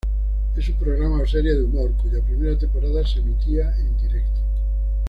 Es un programa, o serie de humor, cuya primera temporada se emitía en directo.